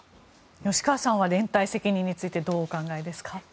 吉川さんは連帯責任についてどうお考えですか？